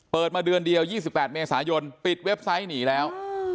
มาเดือนเดียว๒๘เมษายนปิดเว็บไซต์หนีแล้ว